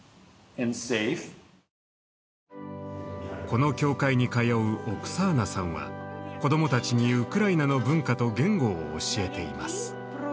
この教会に通うオクサーナさんは子供たちにウクライナの文化と言語を教えています。